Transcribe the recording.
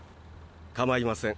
構いません。